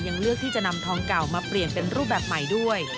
เลือกที่จะนำทองเก่ามาเปลี่ยนเป็นรูปแบบใหม่ด้วย